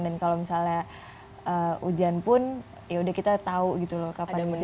dan kalau misalnya hujan pun ya udah kita tahu gitu loh kapan hujan